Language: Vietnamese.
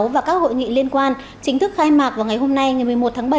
và các hội nghị liên quan chính thức khai mạc vào ngày hôm nay ngày một mươi một tháng bảy